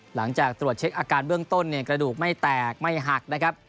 หลังจากตรวจเช็คอาการเบื้องต้นเนี่ยกระดูกไม่แตกไม่หักนะครับ